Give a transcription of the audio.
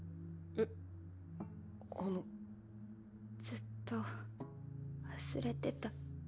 ずっと忘れてた。